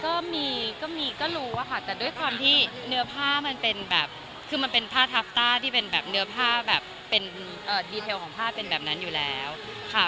ก็มีก็มีก็รู้อะค่ะแต่ด้วยความที่เนื้อผ้ามันเป็นแบบคือมันเป็นผ้าทับต้าที่เป็นแบบเนื้อผ้าแบบเป็นดีเทลของผ้าเป็นแบบนั้นอยู่แล้วค่ะ